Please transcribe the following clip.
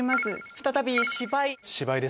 再び「芝居」。